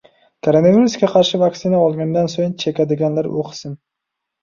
Koronavirusga qarshi vaksina olgandan so‘ng chekadiganlar o‘qisin!